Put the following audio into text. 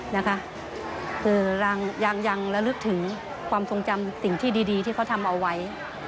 นะคะคือยังระลึกถึงความทรงจำสิ่งที่ดีที่เขาทำเอาไว้